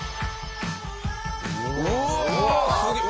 うわすげえ！